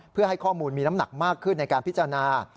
เพื่อให้ข้อมูลมีน้ำหนักมากขึ้นในการพิจารณา